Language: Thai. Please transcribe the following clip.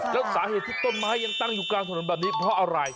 แล้วสาเหตุที่ต้นไม้ยังตั้งอยู่กลางถนนแบบนี้เพราะอะไร